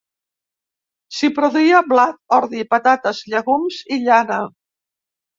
S'hi produïa blat, ordi, patates, llegums i llana.